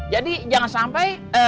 jadi jangan sampai